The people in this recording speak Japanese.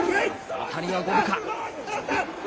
当たりは五分か。